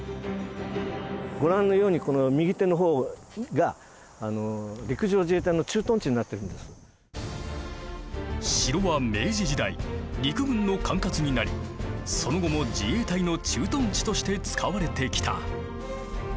ご覧のようにこの右手の方が城は明治時代陸軍の管轄になりその後も自衛隊の駐屯地として使われてきた。